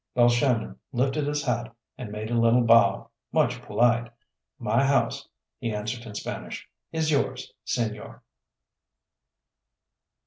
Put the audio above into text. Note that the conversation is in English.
Balshannon lifted his hat and made a little bow, much polite. "My house," he answered in Spanish, "is yours, señor!"